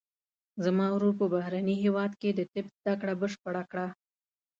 زما ورور په بهرني هیواد کې د طب زده کړه بشپړه کړه